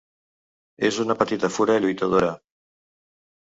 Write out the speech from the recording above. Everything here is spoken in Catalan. És una petita fura lluitadora.